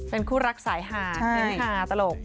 เป็นคู่รักสายฮาฮาตลก